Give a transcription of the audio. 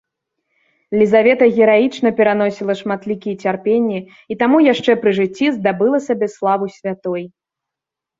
Лізавета гераічна пераносіла шматлікія цярпенні і таму яшчэ пры жыцці здабыла сабе славу святой.